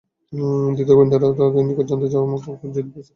ধৃত গোয়েন্দাদের নিকট জানতে চাওয়া হয়, মক্কায় যুদ্ধের প্রস্তুতি কেমন চলছে?